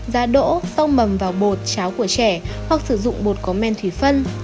giá đỗ xong bầm vào bột cháo của trẻ hoặc sử dụng bột có men thủy phân